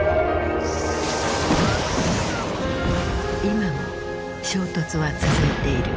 今も衝突は続いている。